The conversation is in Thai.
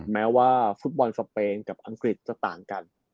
แม้ว่าฟุตบอลสเปนกับอังกฤษจะต่างกัน